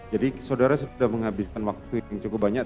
jadi saudara sudah menghabiskan waktu yang cukup banyak